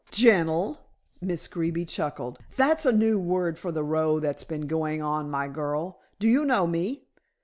"Gentle," Miss Greeby chuckled, "that's a new word for the row that's been going on, my girl. Do you know me?"